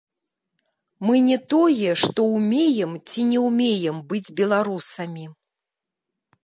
Мы не тое, што ўмеем ці не ўмеем быць беларусамі.